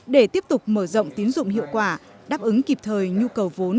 để tiếp tục mở rộng tín dụng hiệu quả đáp ứng kịp thời nhu cầu vốn